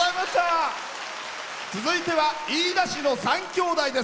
続いては、飯田市の３兄弟です。